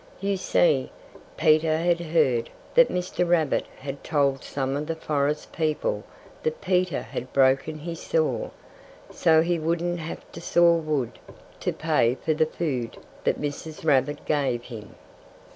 You see, Peter had heard that Mr. Rabbit had told some of the forest people that Peter had broken his saw, so he wouldn't have to saw wood to pay for the food that Mrs. Rabbit gave him.